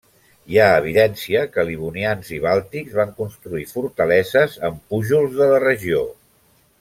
Hi ha evidència que livonians i bàltics van construir fortaleses en pujols de la regió.